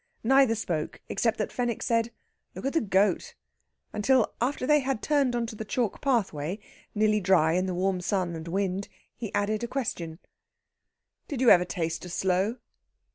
Neither spoke, except that Fenwick said, "Look at the goat," until, after they had turned on to the chalk pathway, nearly dry in the warm sun and wind, he added a question: "Did you ever taste a sloe?"